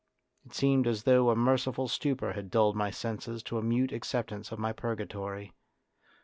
It seemed as though a merciful stupor had dulled my senses to a mute acceptance of my purgatory.